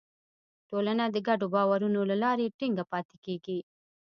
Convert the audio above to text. ټولنه د ګډو باورونو له لارې ټینګه پاتې کېږي.